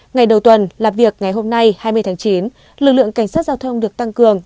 ngày đầu tuần làm việc ngày hôm nay hai mươi tháng chín lực lượng cảnh sát giao thông được tăng cường